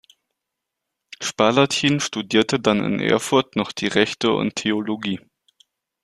Spalatin studierte dann in Erfurt noch die Rechte und Theologie.